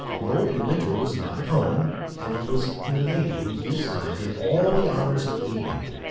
Lord de Winter was not at home; and it was Milady who this time did all the honors of the evening.